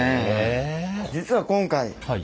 実は今回ん？